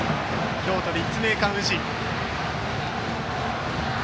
京都・立命館宇治。